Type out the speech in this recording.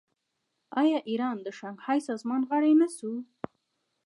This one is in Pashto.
آیا ایران د شانګهای سازمان غړی نه شو؟